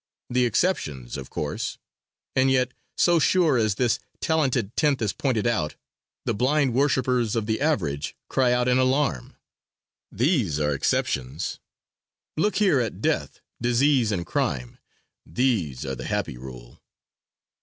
The "exceptions" of course. And yet so sure as this Talented Tenth is pointed out, the blind worshippers of the Average cry out in alarm: "These are exceptions, look here at death, disease and crime these are the happy rule."